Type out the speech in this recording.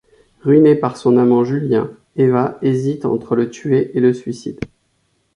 Ruinée par son amant Julien, Eva hésite entre le tuer et le suicide.